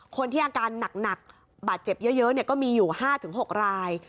คนที่อาการหนักบาดเจ็บเยอะก็มีอยู่๕๖ราย